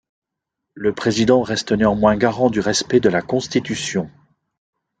Le président reste néanmoins garant du respect de la Constitution.